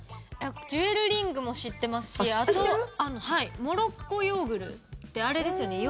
ジュエルリングも知ってますしあと、モロッコヨーグルってあれですよね。